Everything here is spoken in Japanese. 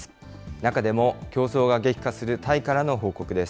中でも競争が激化するタイからの報告です。